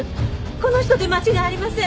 この人で間違いありません